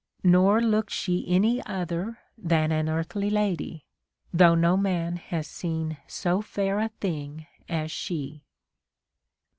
Nor looked she any other than An earthly lady, though no man Has seen so fair a thing as she.